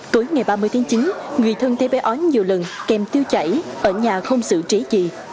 tối ngày ba mươi tháng chín người thân thấy bé ói nhiều lần kèm tiêu chảy ở nhà không xử trí gì